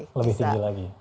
itu ternyata lebih tinggi lagi